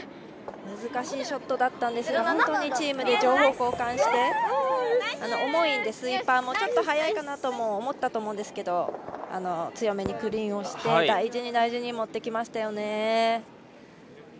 難しいショットだったんですが本当にチームで情報交換して重いので、スイーパーもちょっと速いかなと思ったと思うんですけど強めにクリーンをして大事に大事に持ってきましたよね。